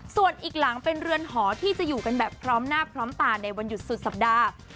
ส่วนอีกหลังเป็นเรือนหอที่จะอยู่กันแบบพร้อมหน้าพร้อมตาในวันหยุดสุดสัปดาห์